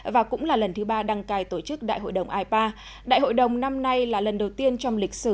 và cũng là lần thứ ba đăng cài tổ chức đại hội đồng ipa đại hội đồng năm nay là lần đầu tiên trong lịch sử